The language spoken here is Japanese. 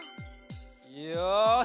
よし！